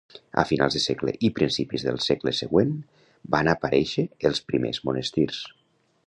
A finals de segle i principis del segle següent van aparèixer els primers monestirs.